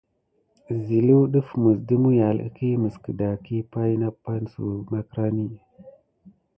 Zilu ɗef ɗe mulial iki mis kedakisi pay apanisou si magrani.